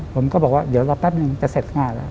ผมก็บอกว่าเดี๋ยวรอแป๊บนึงจะเสร็จงานแล้ว